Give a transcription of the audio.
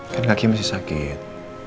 kan kaki masih sakit